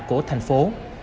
của thành phố